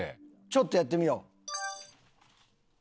ちょっとやってみよう。